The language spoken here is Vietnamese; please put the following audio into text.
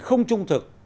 không trung thực